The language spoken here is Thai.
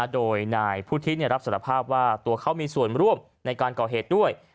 โดยนายพุทธิรับสารภาพว่าตัวเขามีส่วนร่วมในการก่อเหตุด้วย